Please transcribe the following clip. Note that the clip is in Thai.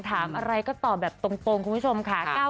ถามอะไรก็ตอบแบบตรงคุณผู้ชมค่ะ